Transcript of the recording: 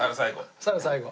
さる最後。